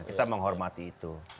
kita menghormati itu